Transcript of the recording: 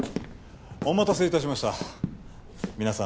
お待たせいたしました皆さん